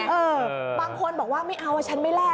บางคนบอกว่าไม่เอาอะชั้นไม่แลก